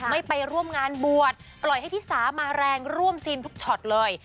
ไม่ไปร่วมงานบวชปล่อยให้ที่สามาแรงร่วมซีนทุกช็อตเลย